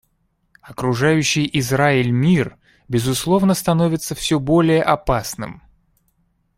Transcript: Окружающий Израиль мир, безусловно, становится все более опасным.